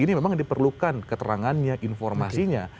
ini memang diperlukan keterangannya informasinya